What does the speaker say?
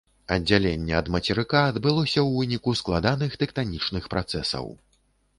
Аддзяленне ад мацерыка адбылося ў выніку складаных тэктанічных працэсаў.